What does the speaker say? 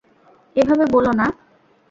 এভাবে বলো না।